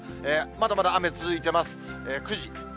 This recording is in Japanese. まだまだ雨続いてます。